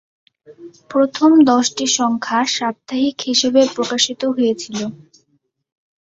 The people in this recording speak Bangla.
প্রথম দশটি সংখ্যা সাপ্তাহিক হিসাবে প্রকাশিত হয়েছিল।